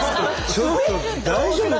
ちょっと大丈夫？